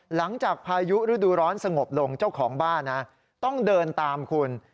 หลังจากพายุฤดูร้อนสงบลงเจ้าของบ้านนะต้องเดินตามคุณ